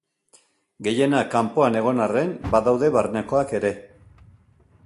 Gehienak kanpoan egon arren, badaude barnekoak ere.